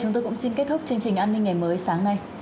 chúng tôi cũng xin kết thúc chương trình an ninh ngày mới sáng nay